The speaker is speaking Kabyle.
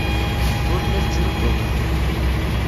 Ur la tettnuddumeḍ.